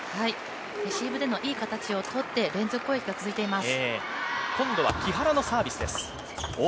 レシーブでのいい形を取って、連続ポイントが続いています。